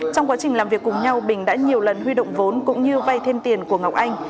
trong quá trình làm việc cùng nhau bình đã nhiều lần huy động vốn cũng như vay thêm tiền của ngọc anh